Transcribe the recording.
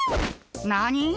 何！？